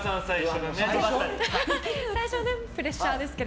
最初はプレッシャーですが。